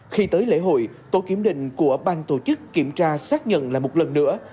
khi tới lễ hội tổ kiểm định của bang tổ chức kiểm tra xác nhận lại một lần nữa